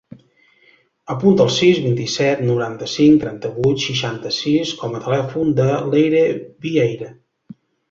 Apunta el sis, vint-i-set, noranta-cinc, trenta-vuit, seixanta-sis com a telèfon de l'Eire Vieira.